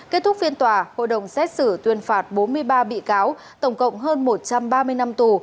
kết thúc phiên tòa hội đồng xét xử tuyên phạt bốn mươi ba bị cáo tổng cộng hơn một trăm ba mươi năm tù